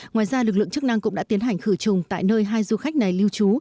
ngoài ra lực lượng chức năng cũng đã tiến hành khử trùng tại nơi hai du khách này lưu trú